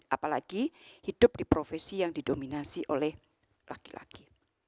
apalagi hidup di profesi yang didominasi oleh laki laki